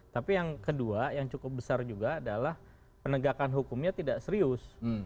tapi yang kedua yang cukup besar juga adalah penegakan hukumnya tidak serius